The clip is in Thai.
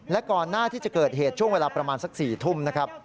และก่อนหน้าที่จะเกิดเหตุช่วงเวลาประมาณสัก๔ทุ่มนะครับ